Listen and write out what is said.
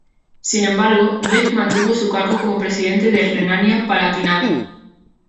Sin embargo, Beck mantuvo su cargo como presidente de Renania-Palatinado.